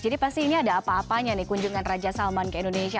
jadi pasti ini ada apa apanya nih kunjungan raja salman ke indonesia